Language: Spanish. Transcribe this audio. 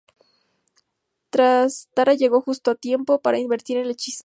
Tara llega justo a tiempo para invertir el hechizo.